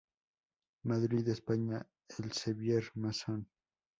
Madrid España: Elsevier masson.